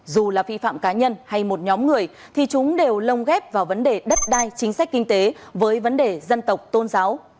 dù là vi phạm cá nhân hay một nhóm người thì chúng đều lông ghép vào vấn đề đất đai chính sách kinh tế với vấn đề dân tộc tôn giáo